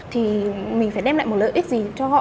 thì mình phải đem lại một lợi ích gì cho họ